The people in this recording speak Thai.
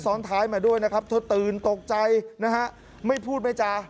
ซ้อนท้ายมาด้วยนะครับเธอตื่นตกใจนะฮะไม่พูดไม่จา